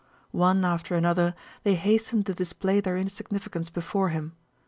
One after another they hasten to display their insignificance before him.